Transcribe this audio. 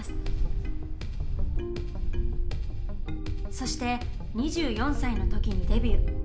そして２４歳の時にデビュー。